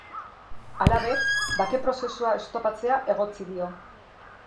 Halaber, bake prozesua oztopatzea egotzi dio.